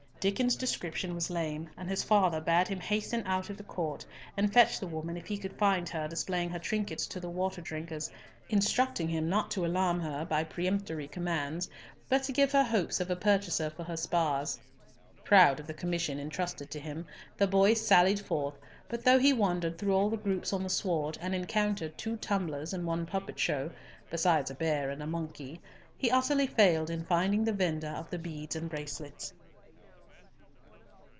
Diccon's description was lame, and his father bade him hasten out of the court, and fetch the woman if he could find her displaying her trinkets to the water drinkers, instructing him not to alarm her by peremptory commands, but to give her hopes of a purchaser for her spars. Proud of the commission entrusted to him, the boy sallied forth, but though he wandered through all the groups on the sward, and encountered two tumblers and one puppet show, besides a bear and monkey, he utterly failed in finding the vendor of the beads and bracelets.